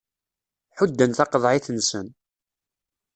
Ḥudden taqeḍɛit-nsen.